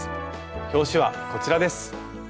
表紙はこちらです。